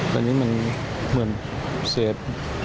ตอนนี้มันเหมือนเสพ